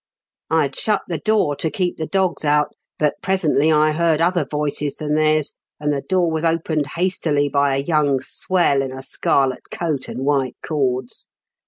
" I had shut the door to keep the dogs out ; but presently I heard other voices than theirs, and the door was opened hastily by a young swell in a scarlet coat and white cords.